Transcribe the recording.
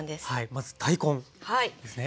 まず大根ですね。